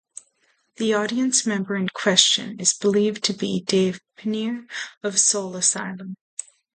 The audience member in question is believed to be Dave Pirner of Soul Asylum.